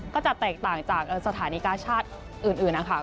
ก็จะแตกต่างจากสถานีกาชาติอื่นนะคะ